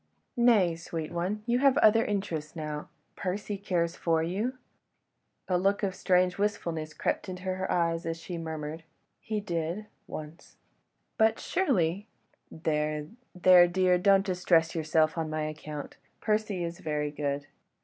..." "Nay, sweet one, you have other interests now. Percy cares for you. ..." A look of strange wistfulness crept into her eyes as she murmured,— "He did ... once ..." "But surely ..." "There, there, dear, don't distress yourself on my account. Percy is very good